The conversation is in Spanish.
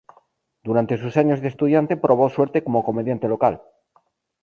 Durante sus años de estudiante probó suerte como comediante local.